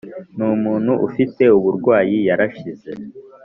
numuntu ufite uburwayi yarashize.